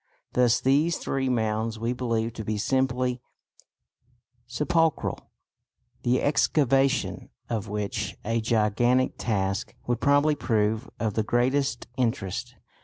Thus these three mounds we believe to be simply sepulchral, the excavation of which a gigantic task would probably prove of the greatest interest.